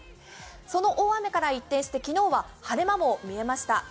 その大雨から一転して昨日は晴れ間も見えました。